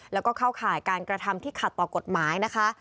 แล้วก็เข้าข่ายการกระทำที่ขัดต่อกฎหมายนะคะ